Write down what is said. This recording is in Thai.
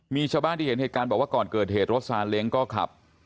มีชาวบ้านที่เห็นเหตุการณ์บอกว่าก่อนเกิดเหตุรถซาเล้งก็ขับ